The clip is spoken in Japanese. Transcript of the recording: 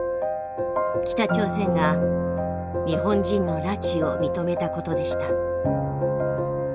北朝鮮が日本人の拉致を認めたことでした。